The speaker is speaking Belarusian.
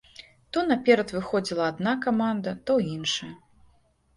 То наперад выходзіла адна каманда, то іншая.